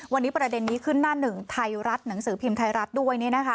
วันนี้ประเด็นนี้ขึ้นหน้าหนึ่งไทยรัฐหนังสือพิมพ์ไทยรัฐด้วย